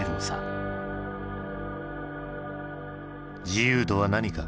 自由とは何か。